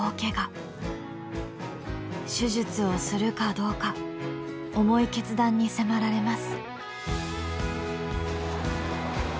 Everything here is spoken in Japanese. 手術をするかどうか重い決断に迫られます。